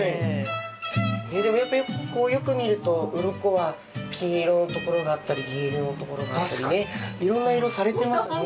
こうよく見ると鱗は金色のところがあったり銀色のところがあったりねいろんな色されてますね。